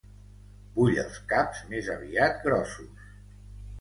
Vull els caps més aviat grossos.